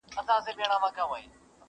o نينې په پټه نه چيچل کېږي٫